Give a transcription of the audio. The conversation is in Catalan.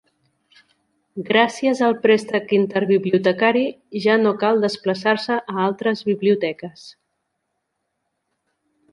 Gràcies al préstec interbibliotecari, ja no cal desplaçar-se a altres biblioteques.